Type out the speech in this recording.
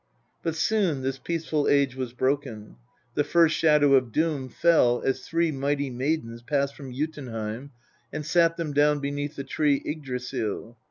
But soon this peaceful age was broken. The first shadow of Doom fell as three mighty maidens passed from Jotunheim, and sat them down beneath the tree Yggdrasil.